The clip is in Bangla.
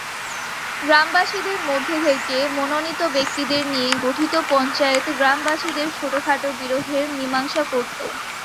গ্রামবাসীদের মধ্য থেকে মনোনীত ব্যক্তিদের নিয়ে গঠিত পঞ্চায়েত গ্রামবাসীদের ছোটখাট বিরোধের মীমাংসা করত।